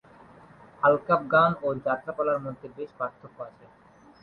আলকাপ গান ও যাত্রাপালার মধ্যে বেশ পার্থক্য আছে।